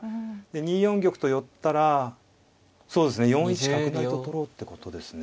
２四玉と寄ったらそうですね４一角成と取ろうってことですね。